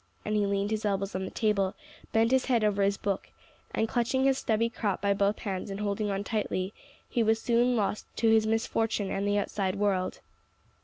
And he leaned his elbows on the table, bent his head over his book, and clutching his stubby crop by both hands and holding on tightly, he was soon lost to his misfortune and the outside world.